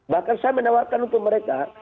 bahkan saya menawarkan untuk mereka